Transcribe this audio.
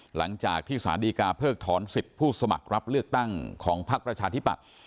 หลังจากที่สารดีกาเพิกถอนสิทธิ์ผู้สมัครรับเลือกตั้งของพักประชาธิปัตย์